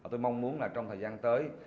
tôi mong muốn trong thời gian tới